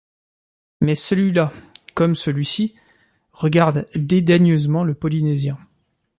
Mais celui-là, comme celui-ci, regardent dédaigneusement le Polynésien.